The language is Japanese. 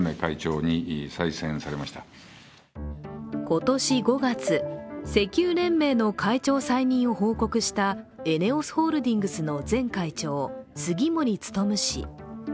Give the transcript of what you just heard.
今年５月石油連盟の会長再任を報告した、ＥＮＥＯＳホールディングスの前会長杉森務氏。